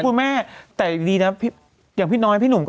แถมถ้าคิดจากนิดหนึ่ง